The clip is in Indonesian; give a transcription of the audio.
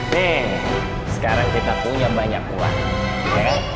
deh sekarang kita punya banyak uang